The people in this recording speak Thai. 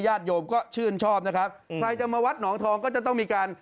โยมก็ชื่นชอบนะครับใครจะมาวัดหนองทองก็จะต้องมีการ